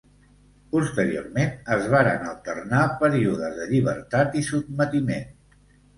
Posteriorment es varen alternar períodes de llibertat i sotmetiment.